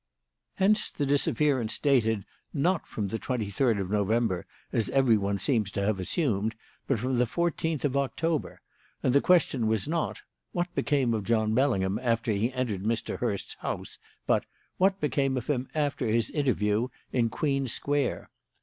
"Hence the disappearance dated, not from the twenty third of November, as everyone seems to have assumed, but from the fourteenth of October; and the question was not, 'What became of John Bellingham after he entered Mr. Hurst's house?' but, 'What became of him after his interview in Queen Square?'